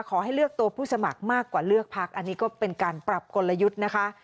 ขอให้เลือกตัวผู้สมัครมากกว่าเลือกพักอันนี้ก็เป็นการปรับกลยุทธ์นะคะ